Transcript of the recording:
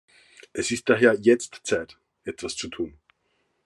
Es ist daher jetzt Zeit, etwas zu tun.